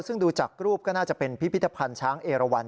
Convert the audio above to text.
ซึ่งดูจากรูปก็น่าจะเป็นพิพิธภัณฑ์ช้างเอราวัน